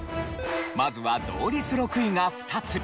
まずは同率６位が２つ。